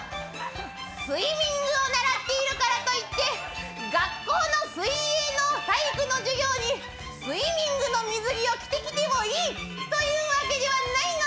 スイミングを習っているからといって学校の水泳の体育の授業にスイミングの水着を着てきてもいいというわけではないのさ。